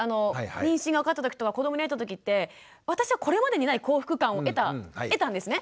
妊娠が分かった時とか子どもに会えた時って私はこれまでにない幸福感を得たんですね。